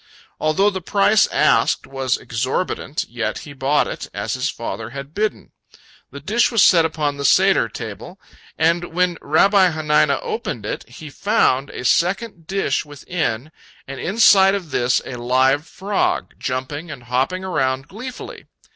Although the price asked was exorbitant, yet he bought it, as his father had bidden. The dish was set upon the Seder table, and when Rabbi Hanina opened it, he found a second dish within, and inside of this a live frog, jumping and hopping around gleefully.